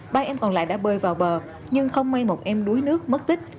ba em còn lại đã bơi vào bờ nhưng không may một em đuối nước mất tích